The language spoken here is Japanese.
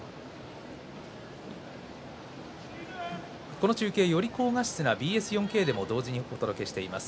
この中継は、より高画質なＢＳ４Ｋでも同時にお届けしています。